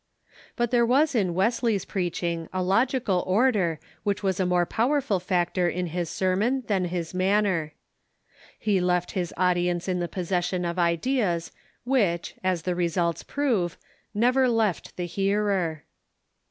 But there was in Wes ley's preaching a logical order, which was a more powerful factor in his sermon than his manner. He left his audience in the possession of ideas which, as the results prove, never left the hearer.